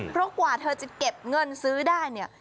เพราะกว่าเธอจะเก็บเงินซื้อได้เนี่ย